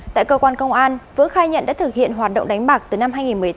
tại cơ quan công an vũ khai nhận đã thực hiện hoạt động đánh bạc từ năm hai nghìn một mươi tám